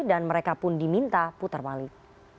dan mereka pun diminta putar balik